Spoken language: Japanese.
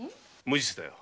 無実だよ。